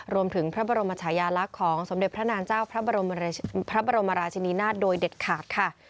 รวมถึงพระบรมชายาลักษณ์ของสมเด็จพระนางเจ้าพระบรมพระบรมราชินินาศโดยเด็ดขาดค่ะ